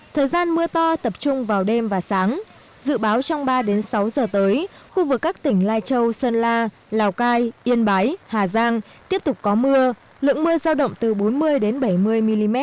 thời gian mưa to tập trung vào đêm và sáng dự báo trong ba sáu giờ tới khu vực các tỉnh lai châu sơn la lào cai yên bái hà giang tiếp tục có mưa lượng mưa giao động từ bốn mươi bảy mươi mm